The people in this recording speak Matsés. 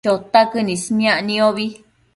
Chotaquën ismiac niombi